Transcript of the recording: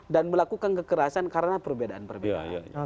dan melakukan kekerasan karena perbedaan perbedaan